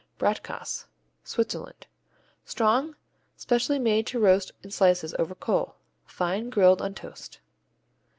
Bratkäse Switzerland Strong; specially made to roast in slices over coal. Fine, grilled on toast.